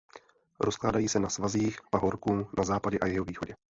Rozkládají se na svazích pahorků na západě a jihovýchodě.